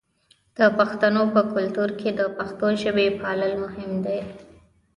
د پښتنو په کلتور کې د پښتو ژبې پالل مهم دي.